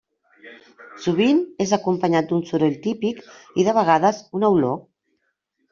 Sovint és acompanyat d'un soroll típic i, de vegades, una olor.